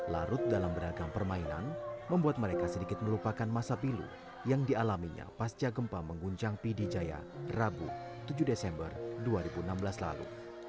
larut dalam beragam permainan membuat mereka sedikit melupakan masa pilu yang dialaminya pasca gempa mengguncang pidijaya rabu tujuh desember dua ribu enam belas lalu